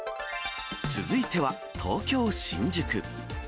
続いては東京・新宿。